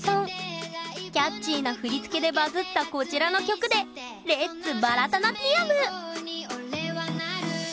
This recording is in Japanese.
キャッチーな振り付けでバズったこちらの曲でレッツバラタナティヤム！